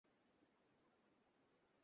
তিনি বেড়ে ওঠেন।